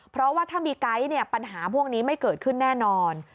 เพราะว่าถ้ามีไก๊เนี่ยปัญหาพวกนี้ไม่เกิดขึ้นแน่นอน